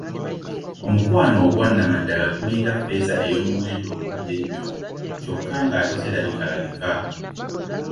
Omukwano ogwa Nnamaddala gulinga ffeeza ey'omuwendo omungi ennyo kyokka ng'ate terabikalabika.